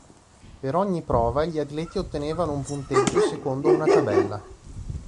Per ogni prova gli atleti ottenevano un punteggio secondo una tabella.